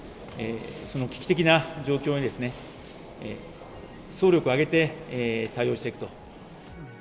その危機的な状況に総力を挙げて対応していくと。